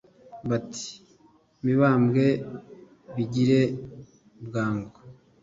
Bati « Mibambwe bigire bwangu